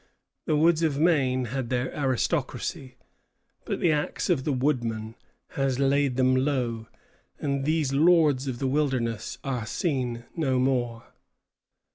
The woods of Maine had their aristocracy; but the axe of the woodman has laid them low, and these lords of the wilderness are seen no more.